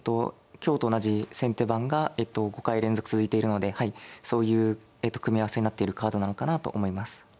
今日と同じ先手番が５回連続続いているのでそういう組み合わせになっているカードなのかなと思います。